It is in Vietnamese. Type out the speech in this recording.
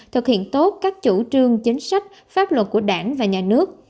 thực hiện tốt các chủ trương chính sách pháp luật của đảng và nhà nước